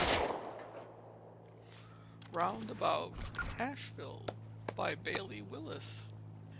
291 ROUND ABOUT ASHEVILLE. By Bailey Willis.